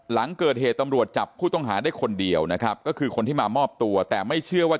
หลังเกิดเหตุตำรวจจับผู้ต้องหาได้คนเดียวนะครับก็คือคนที่มามอบตัวแต่ไม่เชื่อว่า